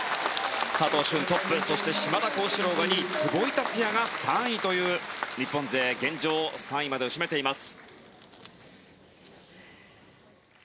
佐藤駿、トップそして島田高志郎が２位壷井達也が３位と、日本勢が現状３位までを占めています。